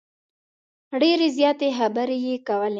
ډیرې زیاتې خبرې یې کولې.